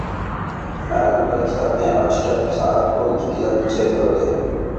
مەلۇم بىر كىتابنى ئاچىقىپ، سائەت ئون ئىككىلەرگىچە كۆردى.